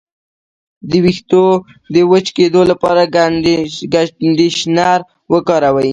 د ویښتو د وچ کیدو لپاره کنډیشنر وکاروئ